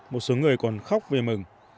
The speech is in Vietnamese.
một số người còn khóc về mừng